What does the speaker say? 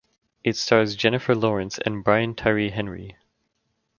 It stars Jennifer Lawrence and Brian Tyree Henry.